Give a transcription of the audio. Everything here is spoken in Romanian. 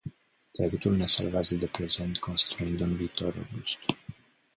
Trecutul ne salvează de prezent construind un viitor robust.